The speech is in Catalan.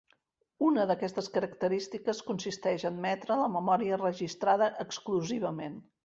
Una d'aquestes característiques consisteix a admetre la memòria registrada exclusivament.